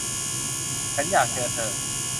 ฉันอยากเจอเธอ